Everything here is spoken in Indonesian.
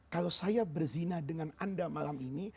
kalau saya berzina dengan anda malam ini